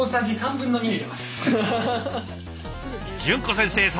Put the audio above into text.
淳子先生